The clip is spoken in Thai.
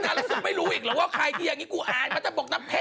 ถามอยู่นั่นหรือว่าใครกูง้องบ่งบางที